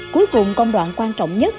cuối cùng công đoạn quan trọng nhất